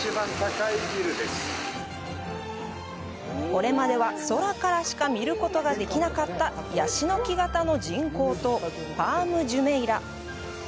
これまでは空からしか見ることができなかったヤシの木形の人工島、パーム・ジュメイラ。